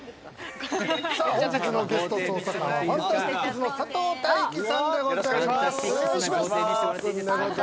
本日のゲスト捜査官は、ＦＡＮＴＡＳＴＩＣＳの佐藤大樹さんでございます。